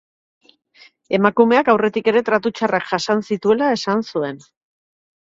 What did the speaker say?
Emakumeak aurretik ere tratu txarrak jasan zituela esan zuen.